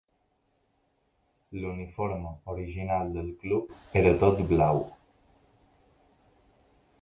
L'uniforme original del club era tot blau.